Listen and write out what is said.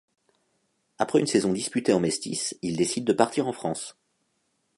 Après une saison disputée en Mestis, il décide de partir en France.